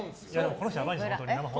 この人やばいですよ。